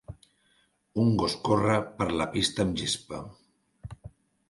Un gos corre per la pista amb gespa.